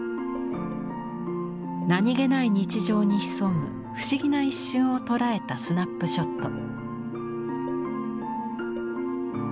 何気ない日常に潜む不思議な一瞬を捉えたスナップショット。